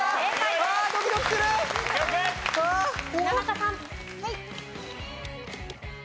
はい。